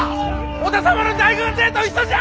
織田様の大軍勢と一緒じゃ！